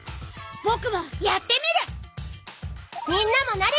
ぼくもやってみる！